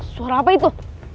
suara apa itu